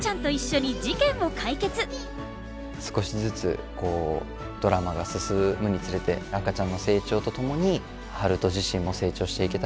少しずつドラマが進むにつれて赤ちゃんの成長とともに春風自身も成長していけたらなとは思います。